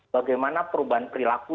bagaimana perubahan perilaku